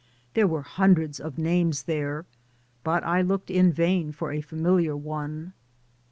There were hun dreds of names there, but I looked in vain for a familiar one.